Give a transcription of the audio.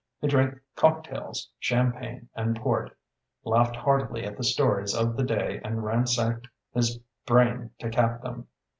He drank cocktails, champagne and port, laughed heartily at the stories of the day and ransacked his brain to cap them.